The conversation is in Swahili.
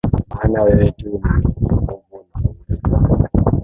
Maana wewe tu ni mwenye nguvu na uweza